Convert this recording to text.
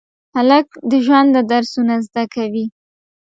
هلک د ژونده درسونه زده کوي.